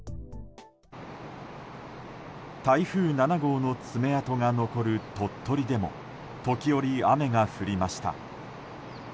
台風７号の爪痕が残る鳥取でも時折、雨が降りました。